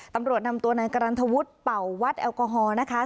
ตำรวจนำตัวนายกรันทวุฒิเป่าวัดแอลกอฮอล์นะคะ